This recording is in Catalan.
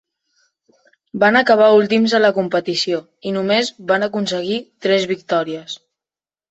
Van acabar últims a la competició, i només van aconseguir tres victòries.